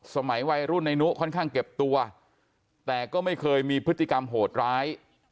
สมัยวัยรุ่นในนุค่อนข้างเก็บตัวแต่ก็ไม่เคยมีพฤติกรรมโหดร้าย